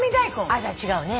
あっじゃ違うね。